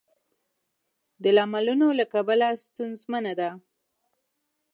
د لاملونو له کبله ستونزمنه ده.